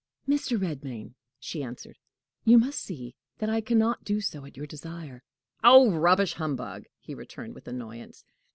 "Mr. Redmain," she answered, "you must see that I can not do so at your desire." "Oh, rubbish! humbug!" he returned, with annoyance.